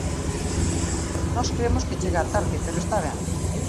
Nós cremos que chega tarde, pero está ben.